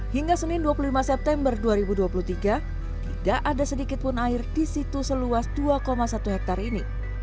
hingga senin dua puluh lima september dua ribu dua puluh tiga tidak ada sedikit pun air di situ seluas dua satu hektare ini